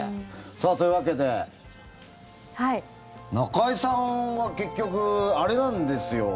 さあ、というわけで中居さんは結局、あれなんですよ